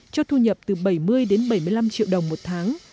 cho thu nhập từ bảy mươi bảy mươi năm triệu đồng